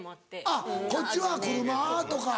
あっこっちは「車ぁ」とか。